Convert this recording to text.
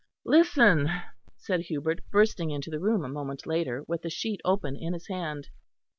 "Listen," said Hubert, bursting into the room a moment later with the sheet open in his hand.